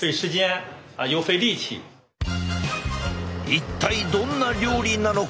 一体どんな料理なのか？